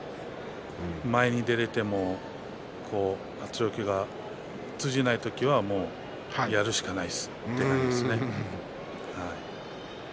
前に出られても圧力が通じない時にはやるしかないですね。